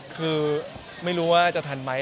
คือไม่รู้ว่าจะทันไหม